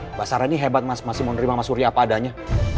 mbak sara ini hebat mas masih mau menerima mbak surya apa adanya